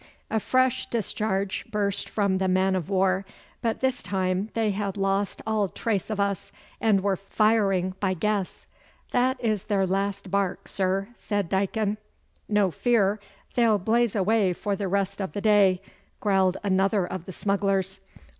A fresh discharge burst from the man of war, but this time they had lost all trace of us, and were firing by guess. 'That is their last bark, sir,' said Dicon. 'No fear. They'll blaze away for the rest of the day,' growled another of the smugglers.